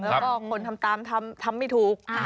แล้วก็คนทำตามทำทำไม่ถูก